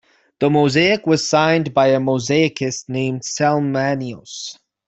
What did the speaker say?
The mosaic was signed by a mosaicist named Salamanios.